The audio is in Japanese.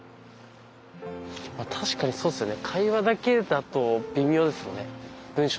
確かにそうですよね。